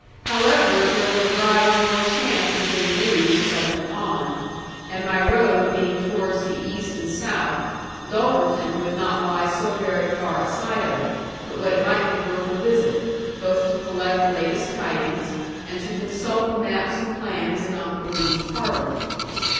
However, there would arise more chance of getting news as I went on: and my road being towards the east and south, Dulverton would not lie so very far aside of it, but what it might be worth a visit, both to collect the latest tidings, and to consult the maps and plans in Uncle Reuben's parlour.